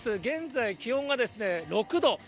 現在、気温が６度。